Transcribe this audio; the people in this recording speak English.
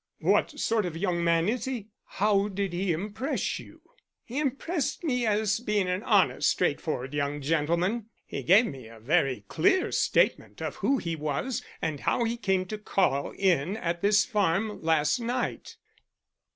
"What sort of young man is he? How did he impress you?" "He impressed me as being an honest straightforward young gentleman. He gave me a very clear statement of who he was and how he came to call in at this farm last night.